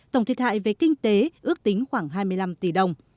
tổng thiệt hại về kinh tế ước tính khoảng hai mươi năm tỷ đồng